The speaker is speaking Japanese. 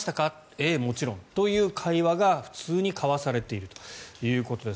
ええもちろんという会話が普通に交わされているということです。